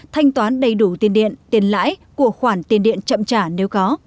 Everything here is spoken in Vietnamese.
thanh toán đầy đủ tiền điện tiền lãi của khoản tiền điện chậm trả nếu có